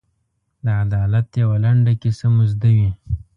د عدالت یوه لنډه کیسه مو زده وي.